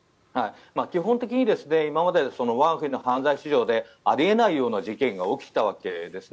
基本的に今まで我が国の犯罪史上であり得ないような事件が起きたわけですね。